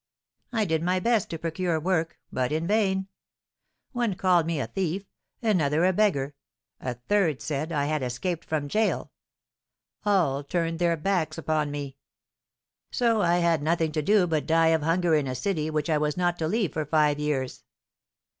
I did my best to procure work, but in vain. One called me a thief, another a beggar, a third said I had escaped from gaol; all turned their backs upon me. So I had nothing to do but die of hunger in a city which I was not to leave for five years.